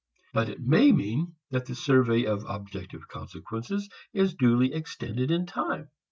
But it may mean that the survey of objective consequences is duly extended in time.